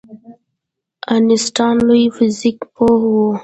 آینسټاین لوی فزیک پوه و